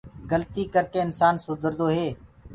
گلتي ڪر ڪي انسآن سُڌردو هي۔